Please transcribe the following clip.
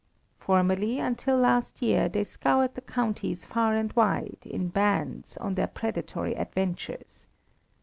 Formerly, until last year, they scoured the counties far and wide, in bands, on their predatory adventures.